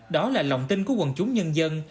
đó là lòng tin của quần chúng nhân dân